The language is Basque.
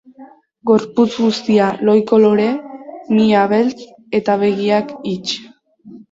Gorputz guztia lohi-kolore, mihia beltz eta begiak hits.